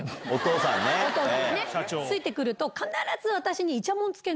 ついてくると必ず私に。